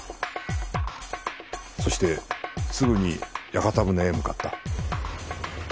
そしてすぐに屋形船へ向かった。